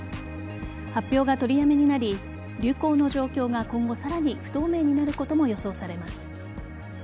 発表が取りやめになり流行の状況が今後さらに不透明になることも予想されます。